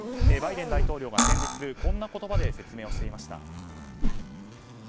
バイデン大統領が先日こんな言葉で説明していました。